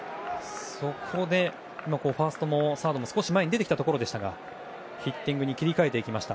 そこでファーストもサードも少し前に出てきたところでしたがヒッティングに切り替えました。